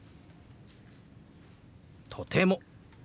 「とても」。